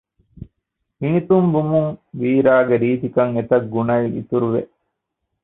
ހިނިތުންވުމުން ވީރާގެ ރީތިކަން އެތަށްގުނައެއް އިތުރުވެ